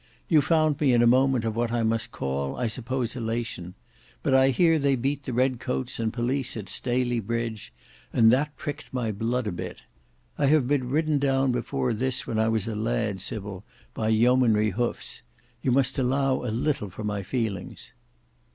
You found me in a moment of what I must call I suppose elation; but I hear they beat the red coats and police at Staley Bridge, and that pricked my blood a bit. I have been ridden down before this when I was a lad, Sybil, by Yeomanry hoofs. You must allow a little for my feelings."